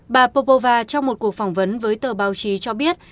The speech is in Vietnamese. bà popova trong một cuộc phỏng vấn với tờ báo chí cho biết